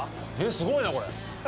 すごいな、これ。